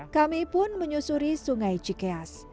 kami pun menyusuri sungai cikeas